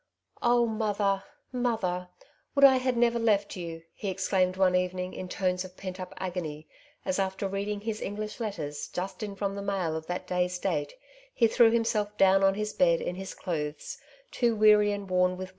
*'0h, mother I mother I Would I had never left you !*' he exclaimed one evening in tonew of puni np agony, as, after reading hift Englb^h hittHi^ juut in from the mail of that day^» date, he threw hUna^lt down on his bed in his clothes, too wm>ry H>mi worn wiHa.